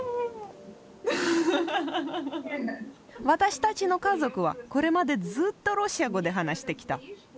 私たちの家族はこれまでずっとロシア語で話してきた。